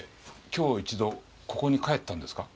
今日一度ここに帰ったんですか？